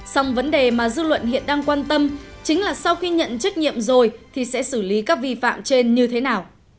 xong vấn đề mà dư luận hiện đang quan tâm chính là sau khi nhận trách nhiệm rồi thì sẽ xử lý các vi phạm trên như thế nào